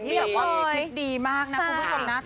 ที่คิดดีมากนะคุณผู้ชมนะ